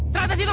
serah atas itu